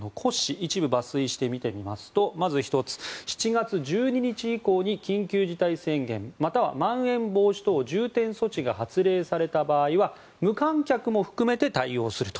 一部抜粋して見てみますとまず１つ７月１２日以降に緊急事態宣言またはまん延防止等重点措置が発令された場合は無観客も含めて対応すると。